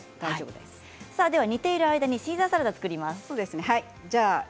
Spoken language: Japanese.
煮ている間にシーザーサラダを作ります。